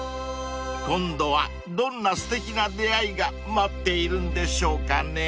［今度はどんなすてきな出会いが待っているんでしょうかね］